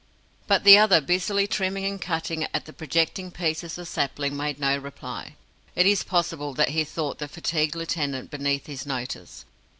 But the other, busily trimming and cutting at the projecting pieces of sapling, made no reply. It is possible that he thought the fatigued lieutenant beneath his notice.